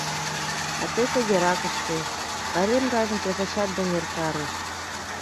— А тый тыгерак ыште: пайрем гайжым кресачат дене эртаре.